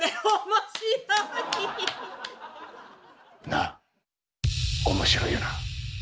なあ面白いよな？